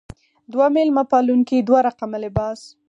دوه مېلمه پالونکې دوه رقمه لباس.